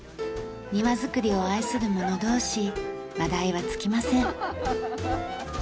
庭造りを愛する者同士話題は尽きません。